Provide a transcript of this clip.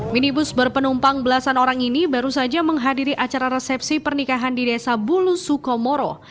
minibus berpenumpang belasan orang ini baru saja menghadiri acara resepsi pernikahan di desa bulu sukomoro